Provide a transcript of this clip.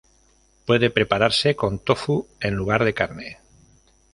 Puede prepararse con tofu en lugar de carne.